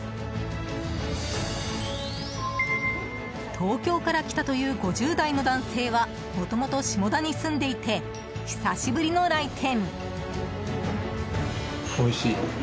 東京から来たという５０代の男性はもともと下田に住んでいて久しぶりの来店。